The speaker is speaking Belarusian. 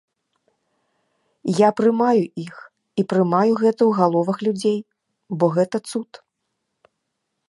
Я прымаю іх і прымаю гэта у галовах людзей, бо гэта цуд.